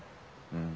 うん。